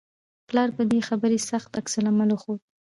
پلار په دې خبرې سخت عکس العمل وښود